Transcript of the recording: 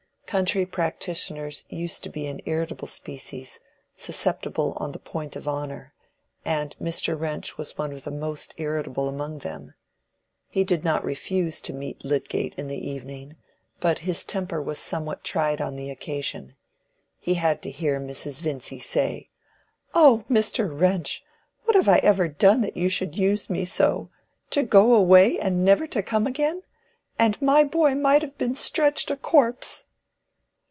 Country practitioners used to be an irritable species, susceptible on the point of honor; and Mr. Wrench was one of the most irritable among them. He did not refuse to meet Lydgate in the evening, but his temper was somewhat tried on the occasion. He had to hear Mrs. Vincy say— "Oh, Mr. Wrench, what have I ever done that you should use me so?— To go away, and never to come again! And my boy might have been stretched a corpse!"